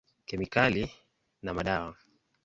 Kemikali na madawa.